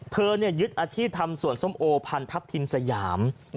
ยึดอาชีพทำสวนส้มโอพันทัพทิมสยาม